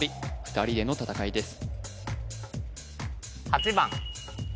２人での戦いです